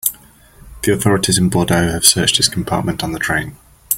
The authorities in Bordeaux have searched his compartment on the train.